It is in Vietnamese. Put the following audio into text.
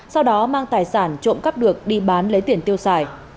sau đó mang tài sản trộm cắp được đi bán lấy tiền tiêu xài